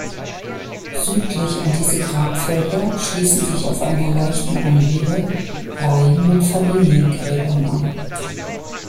Südlich an diese Grabfelder schließen sich auf einer leichten Anhöhe Reihen mit Familiengräbern an.